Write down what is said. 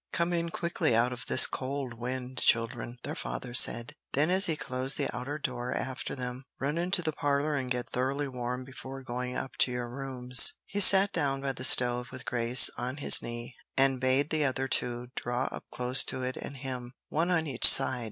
"Come in quickly out of this cold wind, children," their father said; then as he closed the outer door after them, "Run into the parlor and get thoroughly warm before going up to your rooms." He sat down by the stove with Grace on his knee, and bade the other two draw up close to it and him, one on each side.